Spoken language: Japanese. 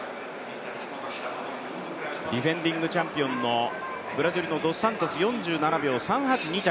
ディフェンディングチャンピオンのブラジルのドスサントス、４７秒３８、２着。